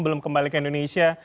belum kembali ke indonesia